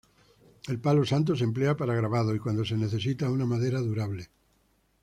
El palo santo se emplea para grabados y cuando se necesita una madera durable.